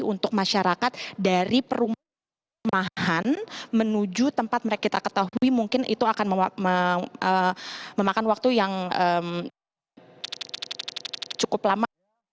untuk masyarakat dari perumahan menuju tempat mereka ketahui mungkin itu akan memakan waktu yang cukup lama